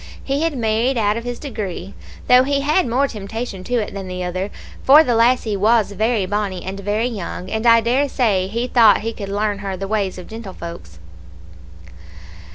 He had married out of his degree, though he had more temptation to it than the other, for the lassie was very bonnie, and very young, and I dare say he thought he could learn her the ways of gentlefolks.